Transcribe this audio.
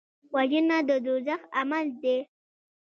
وژنه د دوزخ عمل دی